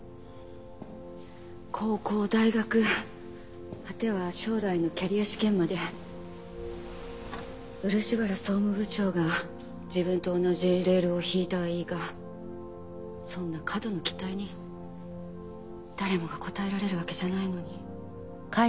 高校大学果ては将来のキャリア試験まで漆原総務部長が自分と同じレールを敷いたはいいがそんな過度な期待に誰もが応えられるわけじゃないのに。